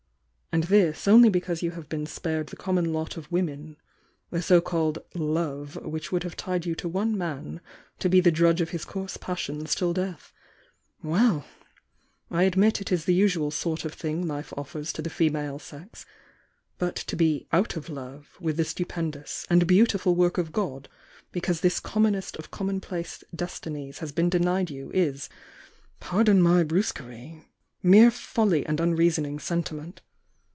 "And this, only because you have been spared the common lot of women — the so called 'love' which would have tied you to one man to be the drudge of his coarse passions till death. Weill — I admit it is the usual sort of thing life offers to the female sex, — but to be 'out of love' with the stupendous and beau tiful work of God because this commonest of com monplace destinies has been uenied you, is — pardon my hrtuquerie, — mere folly and unreasoning senti ment.